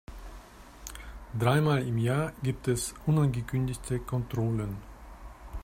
Dreimal im Jahr gibt es unangekündigte Kontrollen.